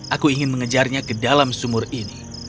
aku ingin mengejarnya ke dalam sumur ini